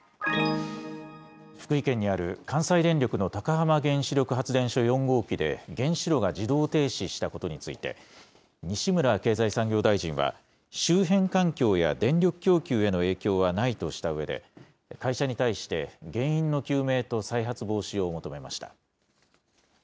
福井県にある関西電力の高浜原子力発電所４号機で、原子炉が自動停止したことについて、西村経済産業大臣は、周辺環境や電力供給への影響はないとしたうえで、会社に対して、原因の究明と再発防止を求めました。